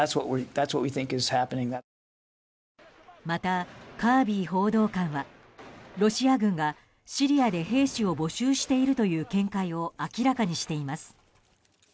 また、カービー報道官はロシア軍がシリアで兵士を募集しているという見解を明らかにしています。